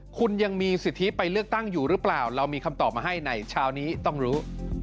คุณยังมีสิทธิไปเลือกตั้งอยู่หรือเปล่าเรามีคำตอบมาให้ในเช้านี้ต้องรู้